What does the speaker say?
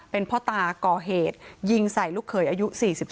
เป็นพ่อตาก่อเหตุยิงใส่ลูกเขยอายุ๔๒